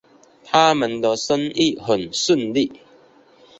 他们的生意很顺利